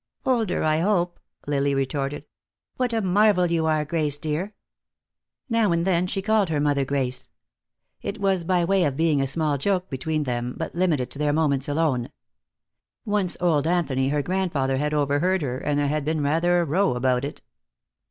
"Older, I hope," Lily retorted. "What a marvel you are, Grace dear." Now and then she called her mother "Grace." It was by way of being a small joke between them, but limited to their moments alone. Once old Anthony, her grandfather, had overheard her, and there had been rather a row about it.